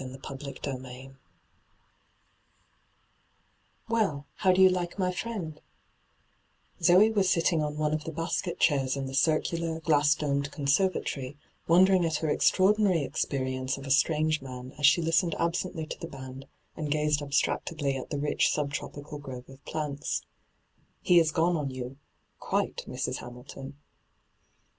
hyGoo>^lc CHAPTER XIII ' Well, how do you like my friend V Zee was sitting on one of the basket chairs in the circulio', glass domed conserTatory, wondering at her extraordinary experience of a strange man as she listened absently to the band and gazed abstractedly at the rich subtropical grove of planta ' He is gone on you — quite, Mrs. Hamilton.'